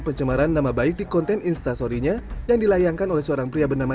pencemaran nama baik di konten instastory nya yang dilayangkan oleh seorang pria bernama